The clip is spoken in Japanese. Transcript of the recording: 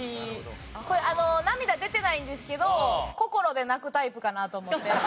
これあの涙出てないんですけど心で泣くタイプかなと思って。